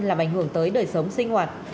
làm ảnh hưởng tới đời sống sinh hoạt